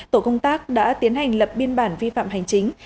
tổ công tác đã tiến hành lập biên bản vi phạm hành chính